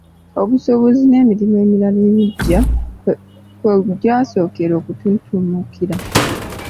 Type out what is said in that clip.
Obusuubuzi n'emirimu emirala emiggya kwe gyasookera okututumukira.